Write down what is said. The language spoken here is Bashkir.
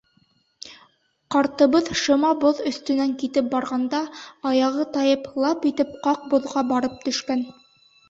Ҡартыбыҙ шыма боҙ өҫтөнән китеп барғанда, аяғы тайып, лап итеп ҡаҡ боҙға барып төшкән.